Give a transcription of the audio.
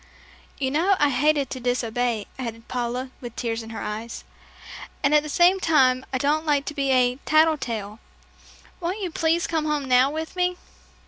"You know I hated to disobey," added Paula, with tears in her eyes, "and at the same time, I don't like to be a 'tattle tale.' Won't you please come home now with me?"